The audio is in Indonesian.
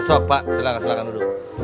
aswab pak silahkan duduk